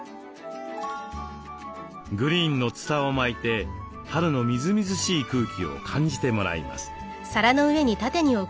グリーンのツタを巻いて春のみずみずしい空気を感じてもらいます。